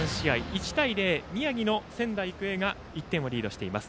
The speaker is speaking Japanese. １対０、宮城の仙台育英が１点をリードしています。